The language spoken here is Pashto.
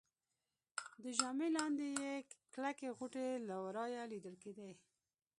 د ژامې لاندې يې کلکې غوټې له ورایه لیدل کېدلې